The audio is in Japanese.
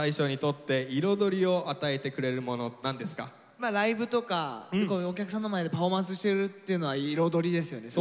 まあライブとかこういうお客さんの前でパフォーマンスしてるっていうのは彩りですよね。